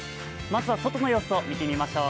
まずは、外の様子を見ていきましょう。